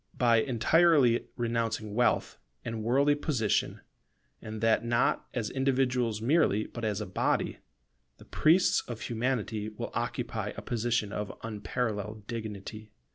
By entirely renouncing wealth and worldly position, and that not as individuals merely, but as a body, the priests of Humanity will occupy a position of unparalleled dignity.